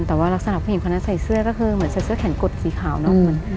แต่ว่ารักษณะผู้หญิงคนนั้นใส่เสื้อก็คือเหมือนใส่เสื้อแขนกดสีขาวเนอะ